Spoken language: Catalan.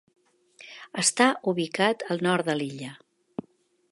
Està ubicat al nord de l'illa.